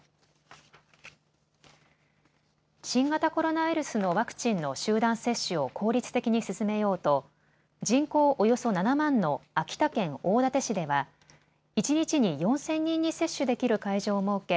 新型コロナウイルスのワクチンの集団接種を効率的に進めようと人口およそ７万の秋田県大館市では一日に４０００人に接種できる会場を設け